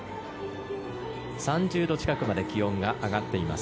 ３０度近くまで気温が上がっています。